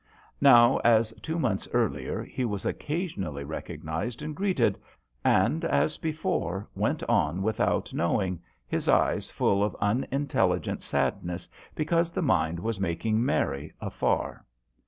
Now, as two months earlier he was occasionally recognized and greeted, and, as before, went on without knowing, his eyes full of unintelligent sadness because the mind was making merry afar.